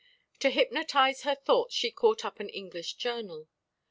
To hypnotize her thoughts she caught up an English journal.